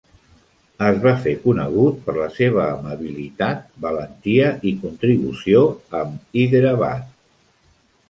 Es va fer conegut per la seva amabilitat, valentia i contribució amb Hyderabad.